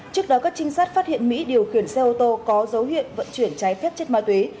trước đó các trinh sát phát hiện mỹ điều khiển xe ô tô có dấu hiệu vận chuyển trái phép chất ma túy